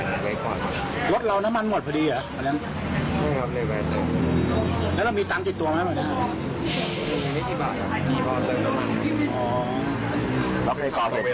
ไม่ใช่ตัวเองดูไม่ได้ตั้งใจอะไรครับต่อไปก่อนแล้ววุฒิปืนที่นำมาเป็นของใคร